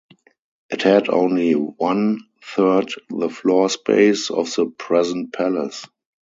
It had only one-third the floor space of the present palace.